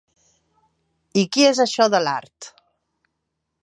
I qui és això de l'Art?